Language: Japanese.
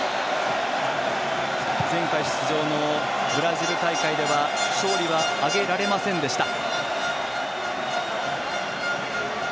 前回出場のブラジル大会では勝利は挙げられませんでした。